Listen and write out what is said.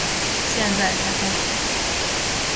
现在才开始